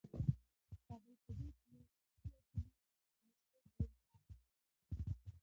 کابل په دي دونیا جنت یادېږي لکه د سرو ګلنو هار ښکلی دی